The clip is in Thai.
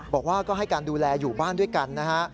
บอกว่าก็ให้การดูแลอยู่บ้านด้วยกันนะฮะ